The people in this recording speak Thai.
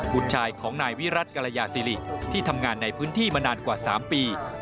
ลูกชายของนายวิรัติกรยาศิริที่ทำงานในพื้นที่มานานกว่า๓ปี